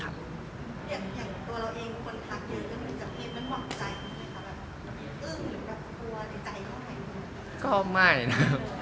อย่างตัวเราเองควรทักอยู่กันจากเพศมันหวังใจอย่างนี้ครับ